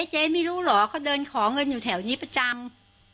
เจ๊ไม่รู้เหรอเขาเดินขอเงินอยู่แถวนี้ประจำ